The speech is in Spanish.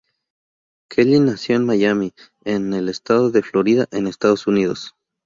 Kyle nació en Miami, en el estado de Florida, en Estados Unidos.